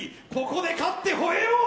ここで勝って吠えよう！